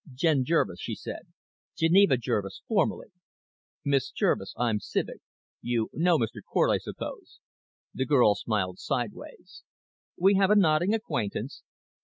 "Jen Jervis," she said. "Geneva Jervis, formally." "Miss Jervis. I'm Civek. You know Mr. Cort, I suppose." The girl smiled sideways. "We have a nodding acquaintance."